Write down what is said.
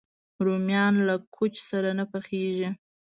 رومیان له کوچ سره نه پخېږي